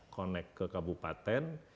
connect ke kabupaten